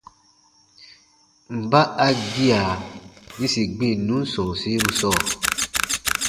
Mba a gia yĩsi gbinnun sɔ̃ɔsiru sɔɔ?